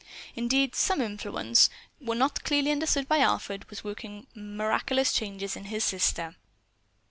Indeed some influence, not clearly understood by Alfred, was working miraculous changes in his sister.